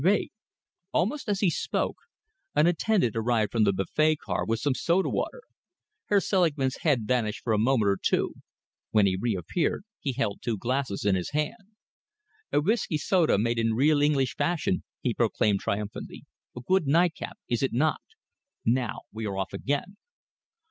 "Wait." Almost as he spoke, an attendant arrived from the buffet car with some soda water. Herr Selingman's head vanished for a moment or two. When he reappeared, he held two glasses in his hand. "A whisky soda made in real English fashion," he proclaimed triumphantly. "A good nightcap, is it not? Now we are off again."